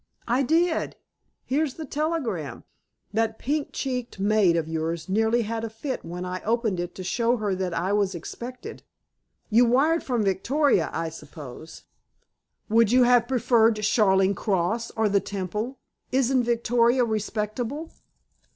"I did. Here's the telegram. That pink cheeked maid of yours nearly had a fit when I opened it to show her that I was expected." "You wired from Victoria, I suppose?" "Would you have preferred Charing Cross, or the Temple? Isn't Victoria respectable?"